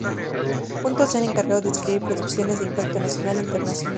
Juntos se han encargado de escribir producciones de impacto nacional e internacional.